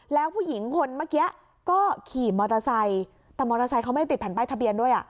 แล้วผู้หญิงคนเมื่อกี้ก็ขี่มอเตอร์ไซค์แต่มอเตอร์ไซค์เขาไม่ติดแผ่นป้ายทะเบียนด้วยอ่ะ